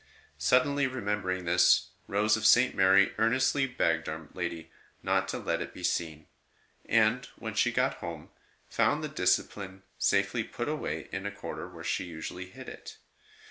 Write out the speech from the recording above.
Suddenly remem bering this, Rose of St. Mary earnestly begged Our Lady not to let it be seen; and, when she got home, found the discipline safely put away in a corner where she usually hid it.